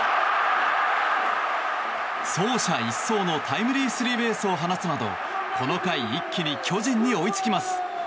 走者一掃のタイムリースリーベースを放つなどこの回一気に巨人に追いつきます。